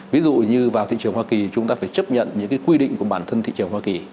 ví dụ như vào thị trường hoa kỳ chúng ta phải chấp nhận những quy định của bản thân thị trường hoa kỳ